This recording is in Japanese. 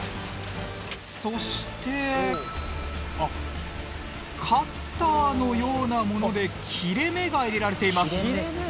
そしてあっカッターのようなもので切れ目が入れられています。